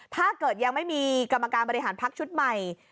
ถ้าเกิดยังไม่มีกรรมการบริหารพักชุดใหม่